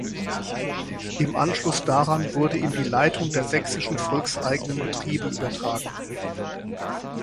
Im Anschluss daran wurde ihm die Leitung der sächsischen volkseigenen Betriebe übertragen.